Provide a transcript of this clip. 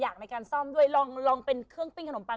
ในการซ่อมด้วยลองเป็นเครื่องปิ้งขนมปัง